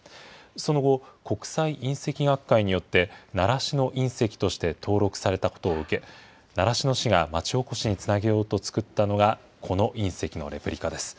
その後、国際隕石学会によって、習志野隕石として登録されたことを受け、習志野市が町おこしにつなげようと作ったのが、この隕石のレプリカです。